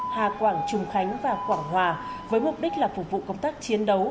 hà quảng trung khánh và quảng hòa với mục đích là phục vụ công tác chiến đấu